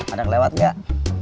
ada kelewat gak